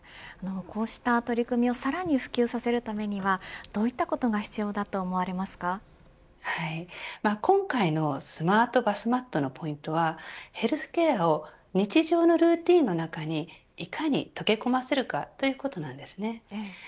こうした取り組みをさらに普及させるためにはどういったことが今回のスマートバスマットのポイントはヘルスケアを日常のルーティーンの中にいかに溶け込ませるかということなんですね。